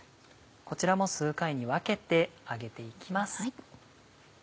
こちらも数回に分けて揚げて行きます。